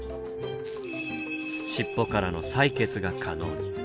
しっぽからの採血が可能に。